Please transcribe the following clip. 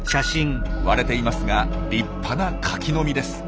割れていますが立派なカキの実です。